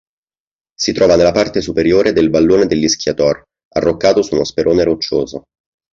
Si trova nella parte superiore del "vallone dell'Ischiator", arroccato su uno sperone roccioso.